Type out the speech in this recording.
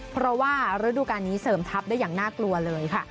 เพราะว่าฤดูการนี้เสริมทัพได้อย่างน่ากลัวเลยค่ะ